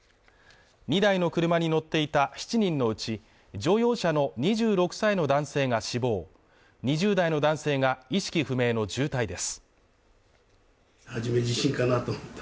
２台の車に乗っていた７人のうち乗用車の２６歳の男性が死亡２０代の男性が意識不明の重体です